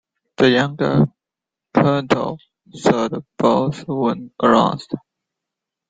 The young clatter their bills when aroused.